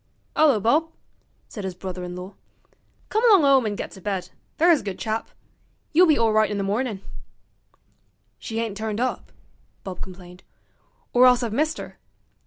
''Ullo, Bob,' said his brother in law; 'come along 'ome an' get to bed, there's a good chap. You'll be awright in the mornin'.' 'She ain't turned up,' Bob complained, 'or else I've missed 'er.